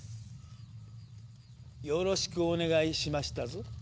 よろしくお願いしましたぞ。